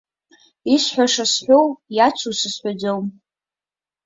Исҳәаша сҳәоу, иацу сызҳәаӡом.